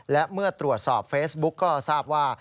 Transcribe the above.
และเมื่อตรวจสอบเฟซบุ๊กก็ทราบว่า